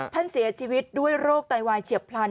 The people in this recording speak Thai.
ท่านเสียชีวิตด้วยโรคไตวายเฉียบพลัน